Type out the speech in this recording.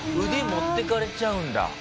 腕持っていかれちゃうんだ。